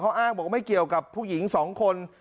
อ้างบอกว่าไม่เกี่ยวกับผู้หญิง๒คน